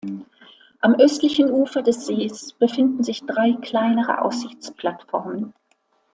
Am östlichen Ufer des Sees befinden sich drei kleinere Aussichtsplattformen.